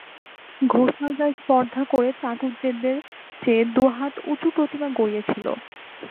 ঘোষালরা স্পর্ধা করে চাটুজ্যেদের চেয়ে দু-হাত উঁচু প্রতিমা গড়িয়েছিল।